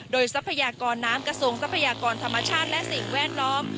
โดยทรัพยากรน้ำกระทรวงทรัพยากรธรรมชาติและสิ่งแวดล้อม